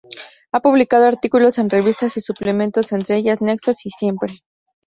Ha publicado artículos en revistas y suplementos, entre ellas Nexos y Siempre!.